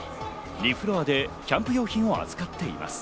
２フロアでキャンプ用品を取り扱っています。